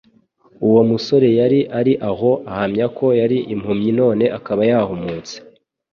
Uwo musore yari ari aho ahamya ko yari impumyi none akaba yahumutse;